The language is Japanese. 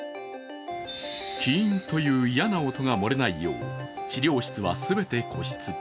キーンという嫌な音が漏れないよう、治療室は全て個室。